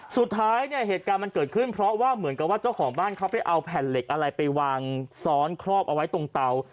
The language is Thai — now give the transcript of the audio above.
สุดท้ายเนี่ยเหตุการณ์มันเกิดขึ้นเพราะว่าเหมือนกับว่าเจ้าของบ้านเขาไปเอาแผ่นเหล็กอะไรไปวางซ้อนครอบเอาไว้ตรงเตา